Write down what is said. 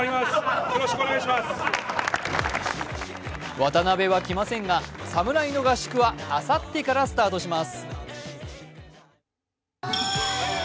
渡部は来ませんが、侍の合宿はあさってからスタートします。